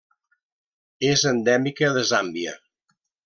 És endèmica de Zàmbia.